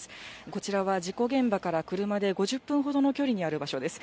こちらは事故現場から車で５０分ほどの距離にある場所です。